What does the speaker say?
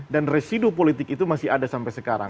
dan residu politik itu masih ada sampai sekarang